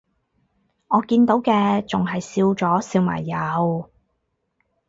我見到嘅仲係笑咗笑埋右